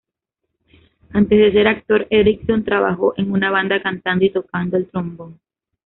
Antes de ser actor, Erickson trabajó en una banda cantando y tocando el trombón.